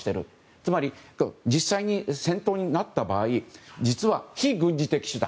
つまり実際に戦闘になった場合実は非軍事的手段